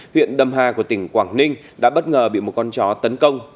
huyện đầm hà của tỉnh quảng ninh đã bất ngờ bị một con chó tấn công